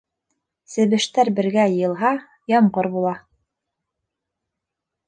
Себештәр бергә йыйылһа, ямғыр була.